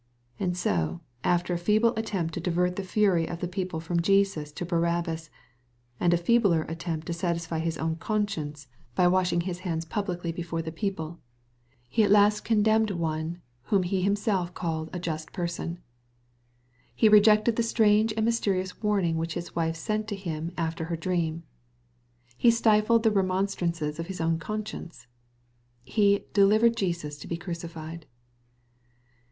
And so, after a feeble attempt to divert the fury of the people from Jesus to Barabbas, — ^and a feebler attempt to satisfy his own oonscience, by washing his hands publicly before the 17 386 EXPOBITORY THOUGHTS. people, — ^he at last oondemned one whom be himself (»]Ied " a just person." He rejected the strange and mjsterionB warning which his wife sent to him after her dream. He stifled the remonstrances of his own conscience. He " delivered Jesus to be crucified."